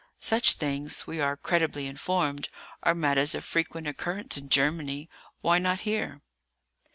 Such things, we are credibly informed, are matters of frequent occurrence in Germany. Why not here?